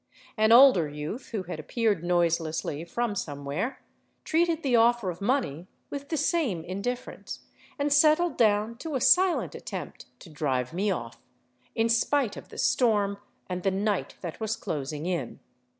An older youth, who had appeared noiselessly from somewhere, treated the offer of money with the same indifference and settled down to a silent at tempt to drive me off, in spite of the storm and the night that was closing in.